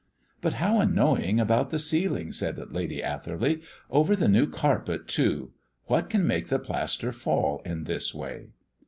"But how annoying about the ceiling," said Lady Atherley. "Over the new carpet, too! What can make the plaster fall in this way?"